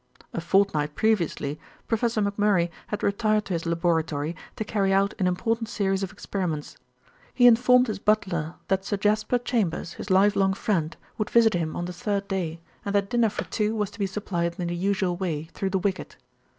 A fortnight previously Professor McMurray had retired to his laboratory to carry out an important series of experiments. He informed his butler that Sir Jasper Chambers, his life long friend, would visit him on the third day, and that dinner for two was to be supplied in the usual way, through the wicket.